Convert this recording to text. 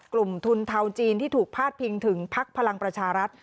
กลุ่มทุนเทาจีนที่ถูกพาดพิงถึงพักพลังประชารัฐ